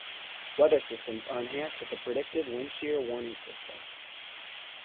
Weather systems are enhanced with a Predictive Windshear Warning System.